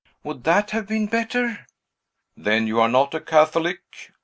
Would that have been better?" "Then you are not a Catholic?"